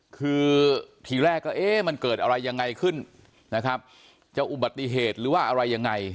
คือที่แรกมันเกิดอะไรยังไงขึ้นจะอุบัติเหตุหรือว่าอะไรยังไง